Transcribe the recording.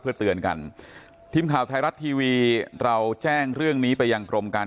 เพื่อเตือนกันทีมข่าวไทยรัฐทีวีเราแจ้งเรื่องนี้ไปยังกรมการ